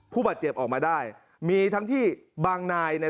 ผู้บาดเจ็บออกมาได้มีทั้งที่บางนายเนี่ย